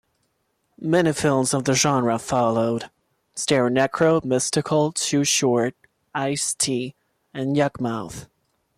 Many films of the genre followed, starring Necro, Mystikal, Too Short, Ice-T and Yukmouth.